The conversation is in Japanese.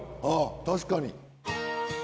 あ確かに。